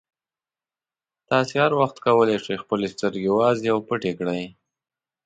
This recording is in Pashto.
تاسې هر وخت کولای شئ خپلې سترګې وازې او پټې کړئ.